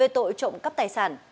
trộm cắp tài sản